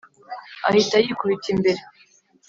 Ahita yikubita imbere